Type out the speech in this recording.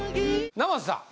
生瀬さん